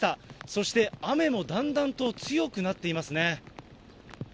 そして雨もだんだんと強くなっていますね。